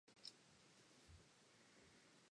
Little evidence and few details of the battle survive.